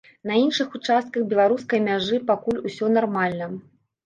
На іншых участках беларускай мяжы пакуль усё нармальна.